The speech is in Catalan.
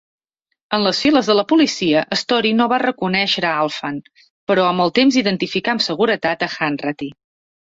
En les files de la policia, Storie no va reconèixer a Alphon, però amb el temps identificar amb seguretat a Hanratty.